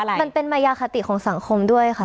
มันเป็นมายาคติของสังคมด้วยค่ะ